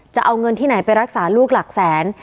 จะเอาเงินที่ไหนไปรักษาลูกหลักแสน